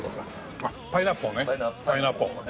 あっパイナッポーね！